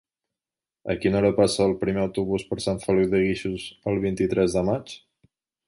A quina hora passa el primer autobús per Sant Feliu de Guíxols el vint-i-tres de maig?